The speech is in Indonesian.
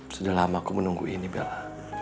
sudah lama aku menunggu ini bella